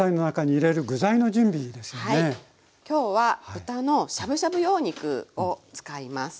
今日は豚のしゃぶしゃぶ用肉を使います。